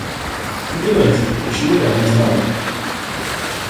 Угадайте, почему я опоздала?